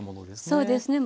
そうですね